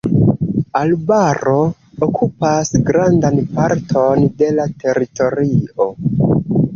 Arbaro okupas grandan parton de la teritorio.